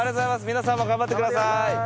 皆さんも頑張ってください。